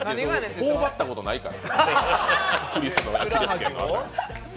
頬張ったことないから。